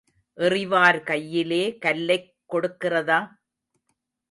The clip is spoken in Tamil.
எறிவார் கையிலே கல்லைக் கொடுக்கிறதா?